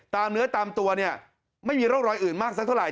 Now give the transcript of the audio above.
เนื้อตามตัวเนี่ยไม่มีร่องรอยอื่นมากสักเท่าไห